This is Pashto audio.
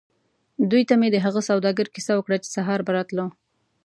دوی ته مې د هغه سوداګر کیسه وکړه چې سهار به راتلو.